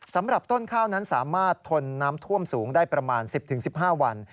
สำหรับต้นข้าวนั้นสามารถทนน้ำท่วมสูงได้ประมาณ๑๐๑๕วัน